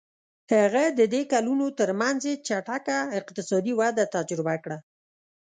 هغه د دې کلونو ترمنځ یې چټکه اقتصادي وده تجربه کړه.